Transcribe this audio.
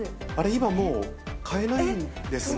今もう、買えないんですもんね。